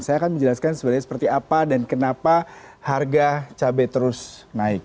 saya akan menjelaskan sebenarnya seperti apa dan kenapa harga cabai terus naik